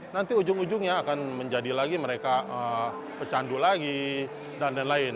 nanti ujung ujungnya akan menjadi lagi mereka pecandu lagi dan lain lain